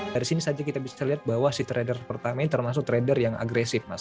dari sini saja kita bisa lihat bahwa si trader pertama ini termasuk trader yang agresif mas